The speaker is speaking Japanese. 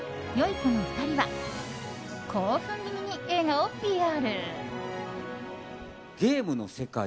この２人は興奮気味に映画をＰＲ。